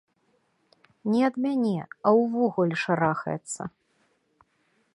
Не ад мяне, а ўвогуле шарахаецца.